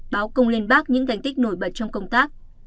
báo công lên bác những thành tích nổi bật trong công tác